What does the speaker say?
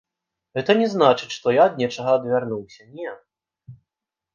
Гэта не значыць, што я ад нечага адвярнуўся, не.